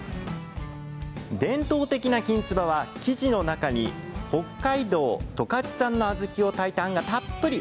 伝統的なきんつばは生地の中に北海道十勝産の小豆を炊いたあんがたっぷり。